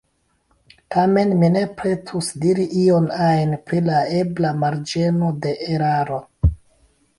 Tamen mi ne pretus diri ion ajn pri la ebla “marĝeno de eraro”.